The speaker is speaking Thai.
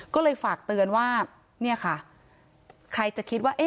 ก็เลยฝากเตือนว่าเนี่ยค่ะใครจะคิดว่า